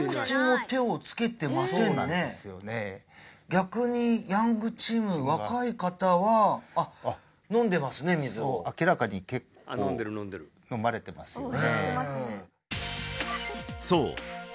逆にヤングチーム若い方はあっ飲んでますね水を明らかに結構飲まれてますよね